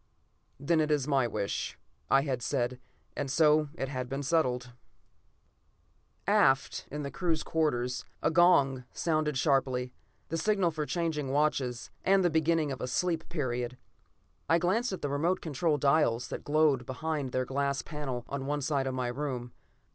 "Then it is my wish," I had said, and so it had been settled. Aft, in the crew's quarters, a gong sounded sharply: the signal for changing watches, and the beginning of a sleep period. I glanced at the remote control dials that glowed behind their glass panel on one side of my room.